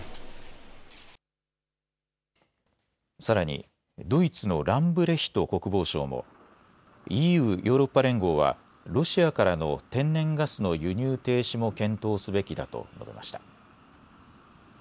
さらに、ドイツのランブレヒト国防相もＥＵ・ヨーロッパ連合はロシアからの天然ガスの輸入停止も検討すべきだと述べました。